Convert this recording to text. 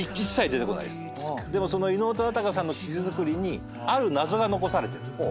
でも伊能忠敬さんの地図作りにある謎が残されてる。